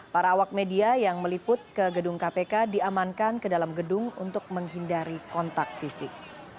para awak media yang meliput ke gedung kpk diamankan ke dalam gedung untuk menghindari kontak fisik